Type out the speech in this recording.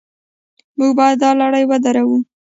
موږ باید دا لړۍ ودروو.